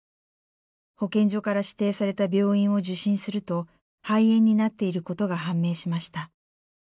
保健所から指定された病院を受診すると肺炎になっていることが判明しました。